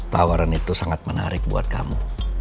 tawaran itu sangat menarik buat kamu